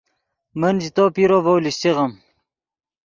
من ژے تو پیرو ڤؤ لیشچیغیم